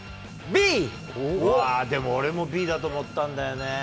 でも俺もＢだと思ったんだよね。